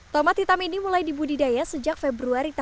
tomat hitam ini mulai dibudidaya sejak februari dua ribu tujuh belas